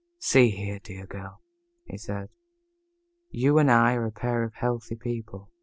"See here, dear girl," he said, "you and I are a pair of healthy people.